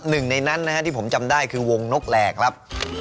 หนึ่งในนั้นนะฮะที่ผมจำได้คือวงนกแหลกครับ